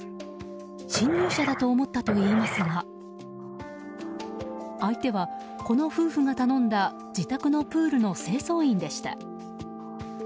侵入者だと思ったといいますが相手は、この夫婦が頼んだ自宅のプールの清掃員でした。